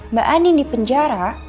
mbak andin dipenjara